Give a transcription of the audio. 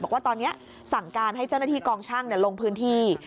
บอกว่าตอนนี้สั่งการให้เจ้าหน้าที่กองช่างลงพื้นที่